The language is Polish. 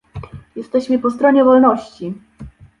"Jesteśmy po stronie wolności"